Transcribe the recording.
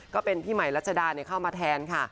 ก็เป็นพี่ใหม่รัชดาเข้ามาแทนค่ะ